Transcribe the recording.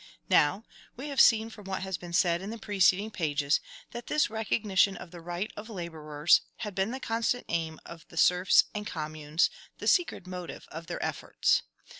Now, we have seen from what has been said in the preceding pages, that this recognition of the right of laborers had been the constant aim of the serfs and communes, the secret motive of their efforts.